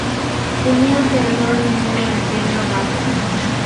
Tenía alrededor un muro de piedra bajo.